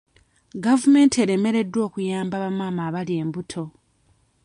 Gavumenti eremereddwa okuyamba ba maama abali embuto.